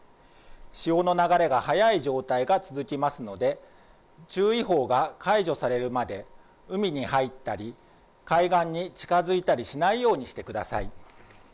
潮の流れが速い状態が続きますので注意報が解除されるまで海に入ったり海岸に入ったり、近づいたりしないようにしてください。